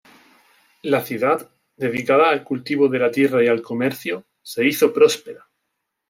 La ciudad, dedicada al cultivo de la tierra y al comercio, se hizo próspera.